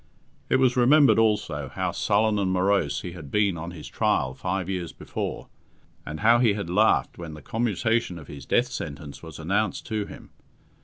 It was remembered, also, how sullen and morose he had been on his trial five years before, and how he had laughed when the commutation of his death sentence was announced to him.